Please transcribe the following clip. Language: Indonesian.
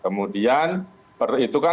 kemudian itu kan